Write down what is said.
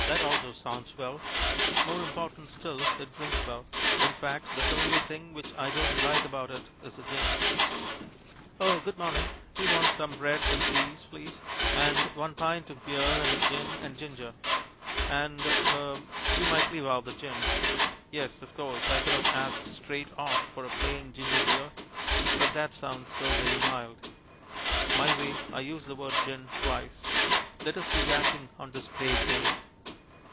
That also sounds well. More important still, it drinks well; in fact, the only thing which I don't like about it is the gin. "Oh, good morning. We want some bread and cheese, please, and one pint of beer, and a gin and ginger. And er you might leave out the gin." Yes, of course, I could have asked straight off for a plain ginger beer, but that sounds so very mild. My way I use the word "gin" twice. Let us be dashing on this brave day.